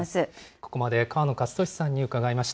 ここまで河野克俊さんに伺いました。